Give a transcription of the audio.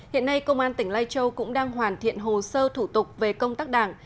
hiện nay công an tỉnh lai châu cũng đang hoàn thiện hồ sơ thủ tục về công tác đảng